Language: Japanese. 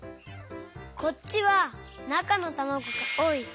こっちはなかのたまごがおおい。